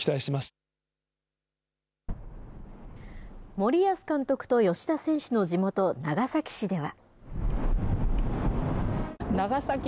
森保監督と吉田選手の地元、長崎市では。